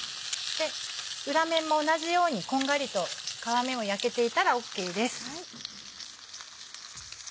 裏面も同じようにこんがりと皮目も焼けていたらＯＫです。